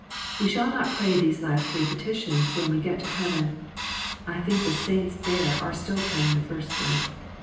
We shall not pray these last three petitions when we get to heaven. I think the saints there are still praying the first three.